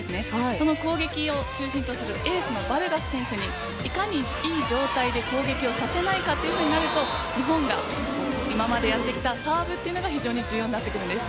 その攻撃を中心とするエースのバルガス選手にいかにいい状態で攻撃をさせないかということになると日本が今までやってきたサーブが非常に重要になってくるんです。